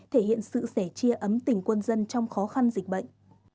thể hiện sự sẻ chia ấm tỉnh quân dân trong khó khăn dịch bệnh